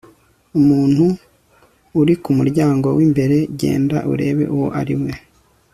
umuntu ari kumuryango wimbere genda urebe uwo ari we